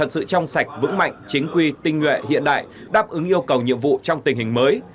sự trong sạch vững mạnh chính quy tinh nguyện hiện đại đáp ứng yêu cầu nhiệm vụ trong tình hình mới